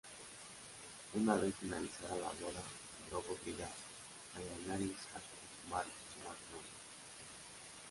Una vez finalizada la boda, Drogo obliga a Daenerys a consumar su matrimonio.